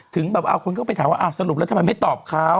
ถึงแบบเอาคนก็ไปถามว่าสรุปแล้วทำไมไม่ตอบเขา